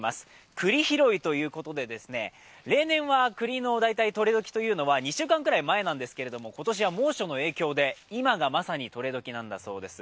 栗拾いということで例年は栗の大体採れどきというのは２週間前なんですけど、今年は猛暑の影響で今がまさにとれ時ということです。